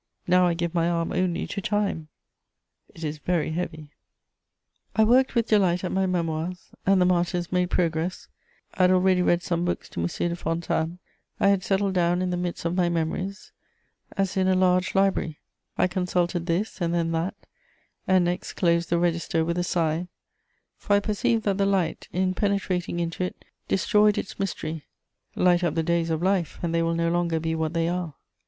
Now I give my arm only to time: it is very heavy! I worked with delight at my Memoirs, and the Martyrs made progress; I had already read some books to M. de Fontanes. I had settled down in the midst of my memories as in a large library; I consulted this and then that, and next closed the register with a sigh, for I perceived that the light, in penetrating into it, destroyed its mystery. Light up the days of life, and they will no longer be what they are.